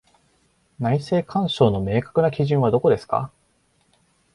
内政干渉の明確な基準はどこですか？